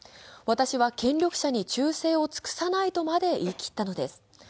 私は権力者に忠誠を尽くさないとまで言い切ったのです。